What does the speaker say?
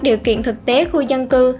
điều kiện thực tế khu dân cư